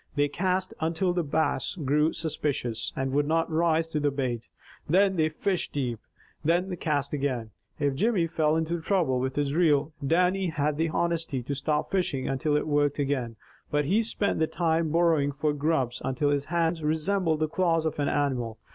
They cast until the Bass grew suspicious, and would not rise to the bait; then they fished deep. Then they cast again. If Jimmy fell into trouble with his reel, Dannie had the honesty to stop fishing until it worked again, but he spent the time burrowing for grubs until his hands resembled the claws of an animal.